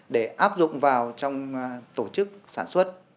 để áp dụng vào trong tổ chức sản xuất